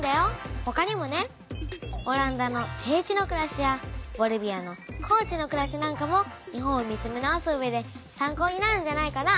ほかにもね「オランダの低地のくらし」や「ボリビアの高地のくらし」なんかも日本を見つめ直すうえで参考になるんじゃないかな。